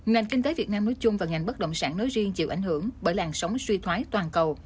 nền kinh tế việt nam nói chung và ngành bất động sản nói riêng chịu ảnh hưởng bởi làn sóng suy thoái toàn cầu